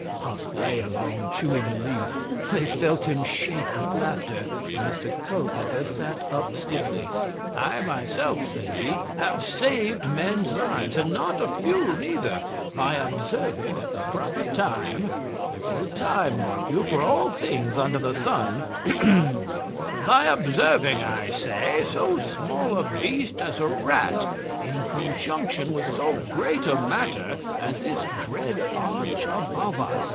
Ahem!' Puck lay along chewing a leaf. They felt him shake with laughter, and Mr Culpeper sat up stiffly. 'I myself' said he, 'have saved men's lives, and not a few neither, by observing at the proper time there is a time, mark you, for all things under the sun by observing, I say, so small a beast as a rat in conjunction with so great a matter as this dread arch above us.